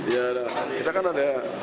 ya kita kan ada